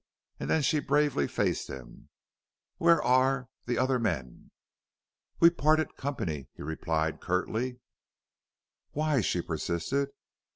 And then she bravely faced him. "Where are the other men?" "We parted company," he replied, curtly. "Why?" she persisted.